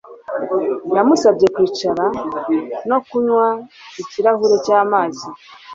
Namusabye kwicara no kunywa ikirahuri cyamazi